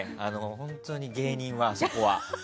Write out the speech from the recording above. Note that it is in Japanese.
本当に芸人は、あそこは。